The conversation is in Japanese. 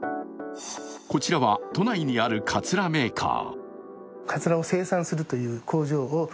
こちらは、都内にあるかつらメーカー。